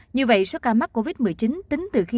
như vậy số ca mắc covid một mươi chín tính từ khi